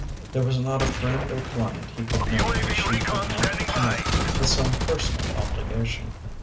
There was not a friend or client he could name that she could not connect with some personal obligation.